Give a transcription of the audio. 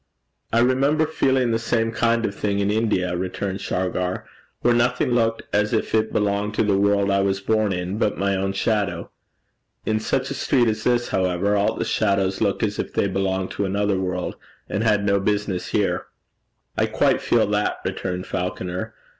'I remember feeling the same kind of thing in India,' returned Shargar, 'where nothing looked as if it belonged to the world I was born in, but my own shadow. In such a street as this, however, all the shadows look as if they belonged to another world, and had no business here.' 'I quite feel that,' returned Falconer.